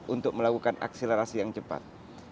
untuk melakukan akselerasi yang cepat